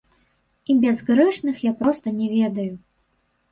І бязгрэшных я проста не ведаю.